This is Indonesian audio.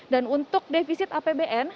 dan untuk defisit apbn